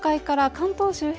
関東周辺